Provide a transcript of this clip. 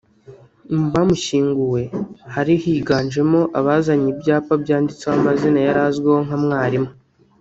Mu bamushyinguwe hari higanjemo abazanye ibyapa byanditseho amazina yari azwiho nka Mwalimu